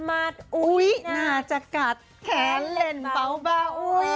น่าจะกัดแขนเล่นเบา